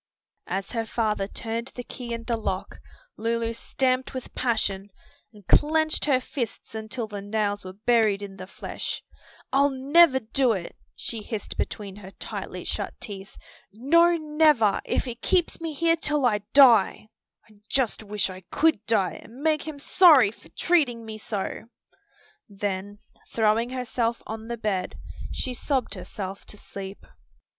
As her father turned the key in the lock, Lulu stamped with passion, and clenched her fists until the nails were buried in the flesh. "I'll never do it!" she hissed between her tightly shut teeth, "no, never! if he keeps me here till I die. I just wish I could die and make him sorry for treating me so!" Then throwing herself on the bed she sobbed herself to sleep.